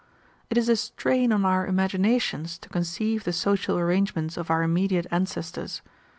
It is a strain on our imaginations to conceive the social arrangements of our immediate ancestors.